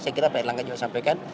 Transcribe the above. saya kira pak erlangga juga sampaikan